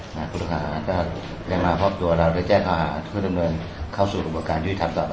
คุณอบคุณภาคภาคภาคภาคนก็ได้มาพร้อมตัวเราได้แจ้งภาคภาคนทุกลำเนินเข้าสู่หัวบวกการที่จะทำต่อไปครับ